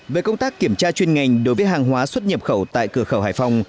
về công tác kiểm tra chuyên ngành đối với hàng hóa xuất nhập khẩu tại cửa khẩu hải phòng